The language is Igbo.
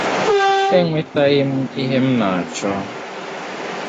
enwetaghị m ihe m na-achọ